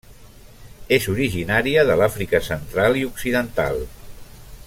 És originària de l'Àfrica central i occidental.